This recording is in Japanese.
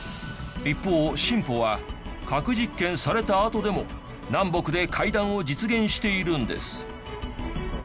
一方進歩は核実験されたあとでも南北で会談を実現しているんです。